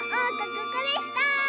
ここでした！